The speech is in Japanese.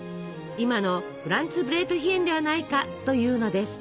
今のフランツブレートヒェンではないかというのです。